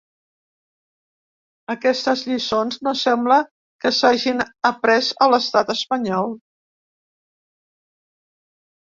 Aquestes lliçons no sembla que s’hagin après a l’estat espanyol.